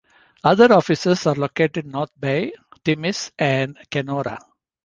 Other offices are located in North Bay, Timmins and Kenora.